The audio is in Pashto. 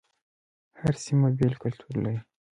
هر سيمه بیل کلتور لري